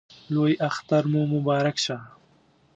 لوی اختر مو مبارک شه